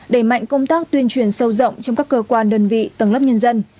đẩy mạnh công tác tuyên truyền sâu rộng trong các cơ quan đơn vị tầng lớp nhân dân